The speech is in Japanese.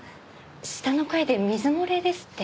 下の階で水漏れですって？